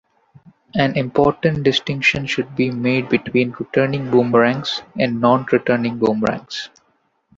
An important distinction should be made between returning boomerangs and non-returning boomerangs.